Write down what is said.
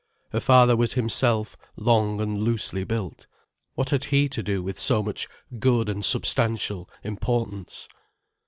Her father was himself long and loosely built. What had he to do with so much "good and substantial" importance?